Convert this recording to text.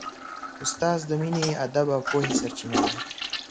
استاد د مینې، ادب او پوهې سرچینه ده.